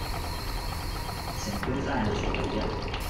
Se encuentra en Azerbaiyán.